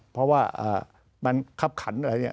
เพราะว่ามันขับขันอะไรอย่างนี้